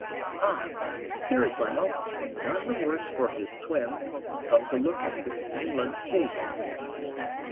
"Ah! Here is my uncle, none the worse for his swim, coming to look at this inland sea."